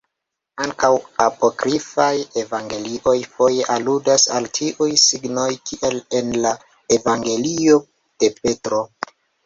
Ankaŭ apokrifaj evangelioj foje aludas al tiuj signoj kiel en la evangelio de Petro.